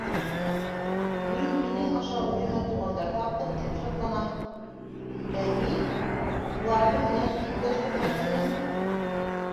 Мин һинең аша үҙемә туғандар таптым тип шатланам, ә һин... уларҙы минән ситләштермәксеһең...